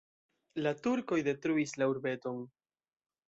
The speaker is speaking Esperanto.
La turkoj detruis la urbeton.